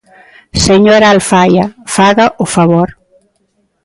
¡Señora Alfaia, faga o favor!